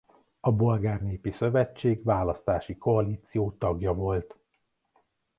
A Bolgár Népi Szövetség választási koalíció tagja volt.